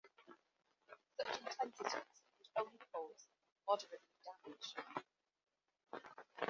Such intensities would only cause moderately damage.